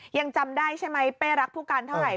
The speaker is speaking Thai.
ยังจำได้ใช่ไหมเป้รักผู้การเท่าไหร่